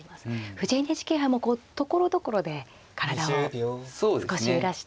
藤井ＮＨＫ杯もところどころで体を少し揺らして。